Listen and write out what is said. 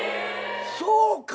そうか。